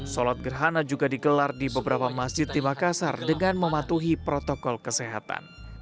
solat gerhana juga digelar di beberapa masjid di makassar dengan mematuhi protokol kesehatan